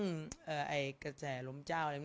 สงฆาตเจริญสงฆาตเจริญ